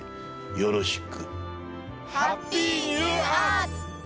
よろしく。